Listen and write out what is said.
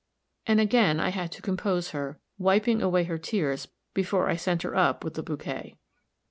and again I had to compose her, wiping away her tears, before I sent her up with the bouquet.